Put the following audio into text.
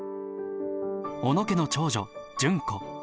小野家の長女純子。